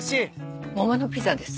桃のピザです。